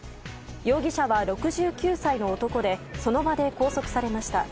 容疑者は６９歳の男でその場で拘束されました。